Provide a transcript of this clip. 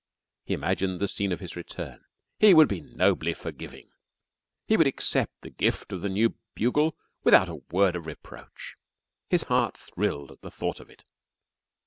He imagined the scene of his return. He would be nobly forgiving. He would accept the gift of the new bugle without a word of reproach. His heart thrilled at the thought of it.